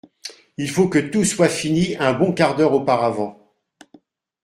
Il faut que tout soit fini un bon quart d'heure auparavant.